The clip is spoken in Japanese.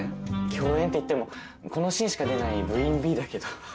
共演っていってもこのシーンしか出ない部員Ｂだけど。